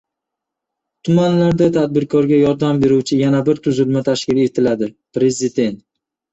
Tumanlarda tadbirkorga yordam beruvchi yana bir tuzilma tashkil etiladi - prezident